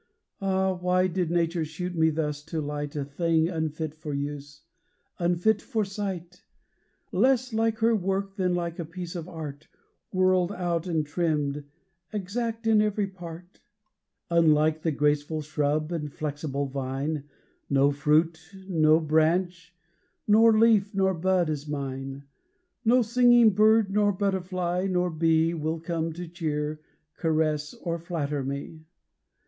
Ah! why did Nature shoot me thus to light, A thing unfit for use unfit for sight; Less like her work than like a piece of Art, Whirled out and trimmed exact in every part? Unlike the graceful shrub, and flexible vine, No fruit no branch nor leaf, nor bud, is mine. No singing bird, nor butterfly, nor bee Will come to cheer, caress, or flatter me.